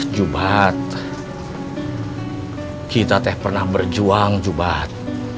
jumat kita teh pernah berjuang jumat